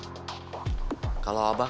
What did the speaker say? uh apa kabar